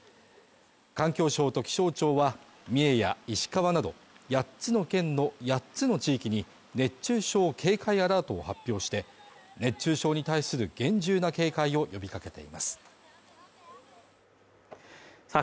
環境省と気象庁は三重や石川など８つの県の８つの地域に熱中症警戒アラートを発表して熱中症に対する厳重な警戒を呼びかけていますさあ